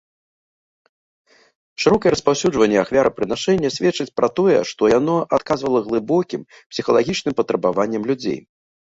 Шырокае распаўсюджванне ахвярапрынашэння сведчыць пра тое, што яно адказвала глыбокім псіхалагічным патрабаванням людзей.